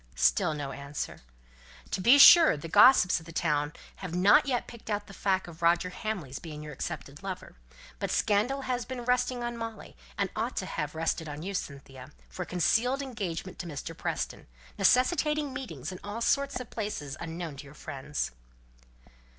Still no answer. "To be sure, the gossips of the town haven't yet picked out the fact of Roger Hamley's being your accepted lover; but scandal has been resting on Molly, and ought to have rested on you, Cynthia for a concealed engagement to Mr. Preston necessitating meetings in all sorts of places unknown to your friends."